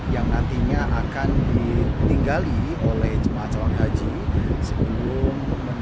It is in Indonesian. yang terakhir ini adalah tempat yang akan ditinggali oleh jemaah calon haji sebelum